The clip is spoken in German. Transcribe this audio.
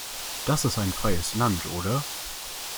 Das ist ein freies Land, oder?